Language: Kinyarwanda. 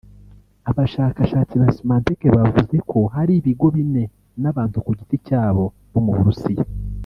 Abashakashatsi ba Symantec bavuze ko hari ibigo bine n’abantu ku giti cyabo bo mu Burusiya